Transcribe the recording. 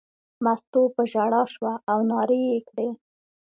مستو په ژړا شوه او نارې یې کړې.